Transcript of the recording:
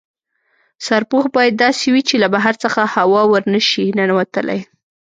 سرپوښ باید داسې وي چې له بهر څخه هوا ور نه شي ننوتلای.